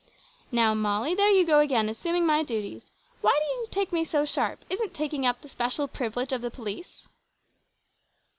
"Now Molly, there you go again, assuming my duties! Why do you take me so sharp? Isn't taking up the special privilege of the police?"